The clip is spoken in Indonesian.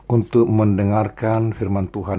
untuk mendengarkan firman tuhan